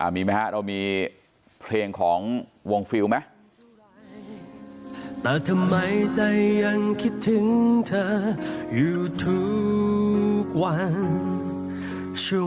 มีไหมฮะเรามีเพลงของวงฟิลไหม